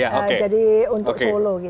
jadi untuk solo gitu